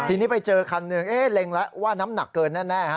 ทีนี้ไปเจอขันหนึ่งเอ๊เริ่งแล้วว่าน้ำหนักเกินน่าแน่ฮะ